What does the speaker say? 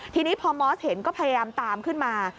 ทีนี้พอมอสเห็นก็พยายามตามขึ้นมา